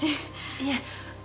いえ。